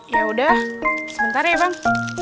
yaudah sebentar ya bang